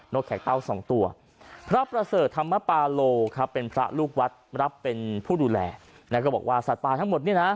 นะฮะเป็นพระลูกวัดรับเป็นผู้ดูแลแล้วก็บอกว่าสัตว์ป่าทั้งหมดนี่นะ